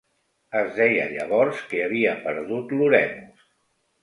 Es deia llavors que havia perdut l'oremus.